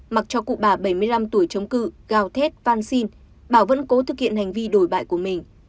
mặc cho cụ bà bảy mươi năm tuổi chống cự gào thét văn xin bảo vẫn cố thực hiện hành vi đổi bại của mình